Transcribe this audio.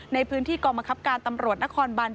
ในพื้นที่กรมคับการตำรวจนครบาน๗